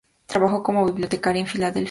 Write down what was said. Trabajó como bibliotecaria en Filadelfia.